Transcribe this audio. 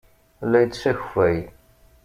La yettess akeffay.